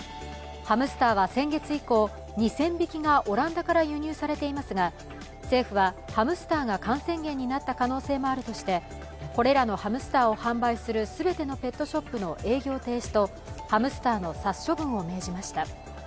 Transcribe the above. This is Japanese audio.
ハムスターは先月以降、２０００匹がオランダから輸入されていますが、政府はハムスターが感染源になった可能性もあるとしてこれらのハムスターを販売する全てのペットショップの営業停止とハムスターの殺処分を命じました。